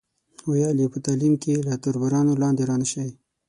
ویل یې په تعلیم کې له تربورانو لاندې را نشئ.